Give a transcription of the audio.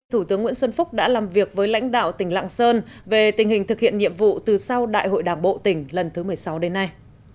thủ tướng nguyễn xuân phúc đã làm việc với lãnh đạo tỉnh lạng sơn về tình hình thực hiện nhiệm vụ từ sau đại hội đảng bộ tỉnh lần thứ một mươi sáu đến nay